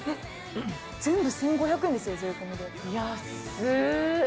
全部１５００円ですよ、やっす。